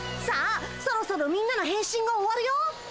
さあそろそろみんなの変身が終わるよ。